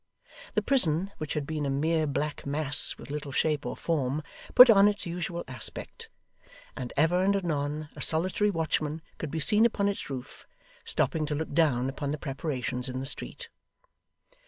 The prison, which had been a mere black mass with little shape or form, put on its usual aspect; and ever and anon a solitary watchman could be seen upon its roof, stopping to look down upon the preparations in the street.